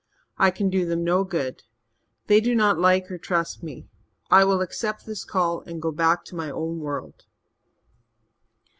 I can do them no good they do not like or trust me. I will accept this call and go back to my own world."